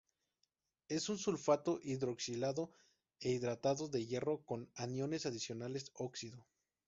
Es un sulfato hidroxilado e hidratado de hierro, con aniones adicionales óxido.